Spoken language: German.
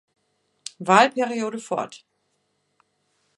Wahlperiode fort.